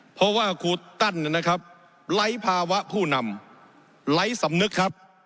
เพราะว่าครูตั้นไรผัวผู้นำไรสำนึก